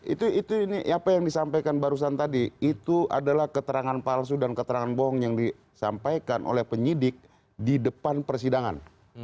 itu ini apa yang disampaikan barusan tadi itu adalah keterangan palsu dan keterangan bohong yang disampaikan oleh penyidik di depan persidangan